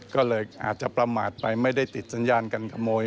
ก็เลยอาจจะประมาทไปไม่ได้ติดสัญญาการขโมย